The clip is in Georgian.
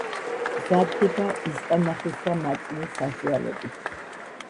მზადდება ისპანახის და მაწვნის საშუალებით.